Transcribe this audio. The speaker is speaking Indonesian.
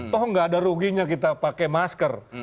toh gak ada ruginya kita pakai masker